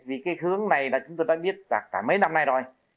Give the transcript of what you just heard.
vì cái hướng này là chúng tôi đã biết là cả mấy năm nay rồi